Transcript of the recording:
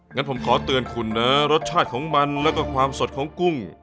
งั้นผมขอเตือนคุณนะรสชาติของมันแล้วก็ความสดของกุ้ง